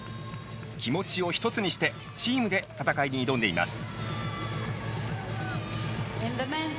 気持ちを一つにしてチームで戦いに挑んでいます。